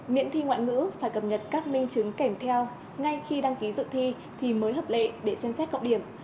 miễn thi ngoại ngữ phải cập nhật các minh chứng kèm theo ngay khi đăng ký dự thi thì mới hợp lệ để xem xét cộng điểm